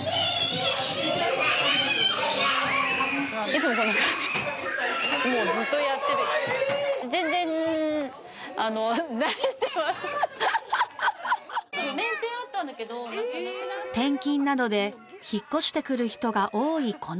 転勤などで引っ越してくる人が多いこの地域。